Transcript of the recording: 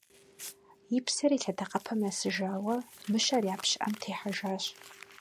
И псэр и лъэдакъэпэм нэсыжауэ, мыщэр я пщыӏэм техьэжащ.